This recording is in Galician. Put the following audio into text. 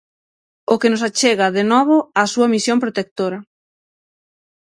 O que nos achega, de novo, á súa misión protectora.